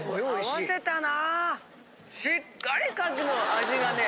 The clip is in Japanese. しっかり牡蠣の味がね